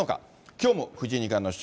きょうも藤井二冠の取材。